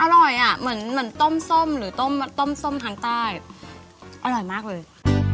อร่อยอ่ะเหมือนต้มส้มหรือต้มต้มส้มทางใต้อร่อยมากเลย